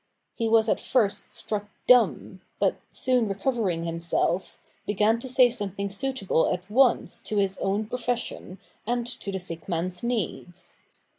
He was at first struck dumb ; but,, soon recovering himself, began to say something suitable at once to his own profession and to the sick man's needs.